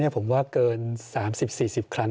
ผมว่าเกิน๓๐๔๐ครั้ง